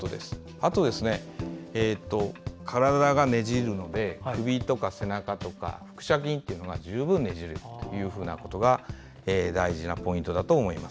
あと、体がねじれるので首とか背中とか腹斜筋というのが十分ねじれることが大事なポイントだと思います。